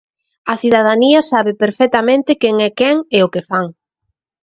A cidadanía sabe perfectamente quen é quen e o que fan.